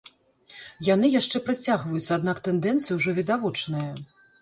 Яны яшчэ працягваюцца, аднак тэндэнцыя ўжо відавочная.